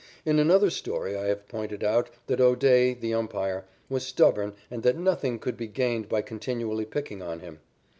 In another story I have pointed out that O'Day, the umpire, was stubborn and that nothing could be gained by continually picking on him.